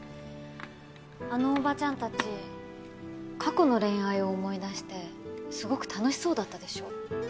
あのおばちゃんたち過去の恋愛を思い出してすごく楽しそうだったでしょ？